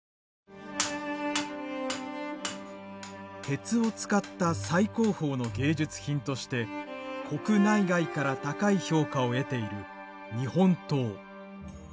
鉄を使った最高峰の芸術品として国内外から高い評価を得ている日本刀。